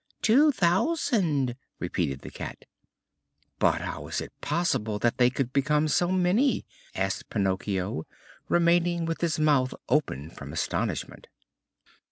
"Two thousand!" repeated the Cat. "But how is it possible that they could become so many?" asked Pinocchio, remaining with his mouth open from astonishment.